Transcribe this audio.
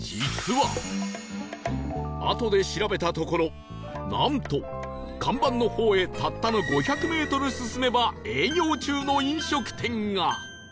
あとで調べたところなんと看板の方へたったの５００メートル進めば営業中の飲食店が！